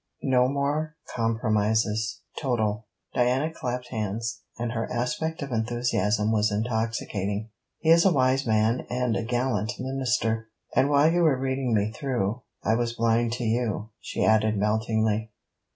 No more compromises!' 'Total!' Diana clapped hands; and her aspect of enthusiasm was intoxicating. 'He is a wise man and a gallant Minister! And while you were reading me through, I was blind to you,' she added meltingly.